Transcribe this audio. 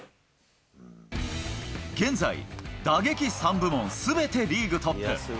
現在、打撃３部門すべてリーグトップ。